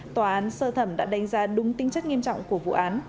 tòa án sơ thẩm đã đánh giá đúng tính chất nghiêm trọng của vụ án